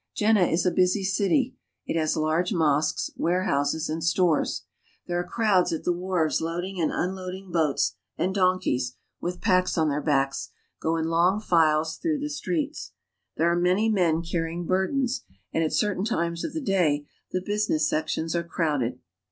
Jenne is a busy city. It has large mosques, warehouses, and stores. There are crowds at the wharves loading and unloading boats, and donkeys, with packs on their backs, go in long files through the streets. There are many men carrying burdens, and, at certain times of the day, the business sections are crowded.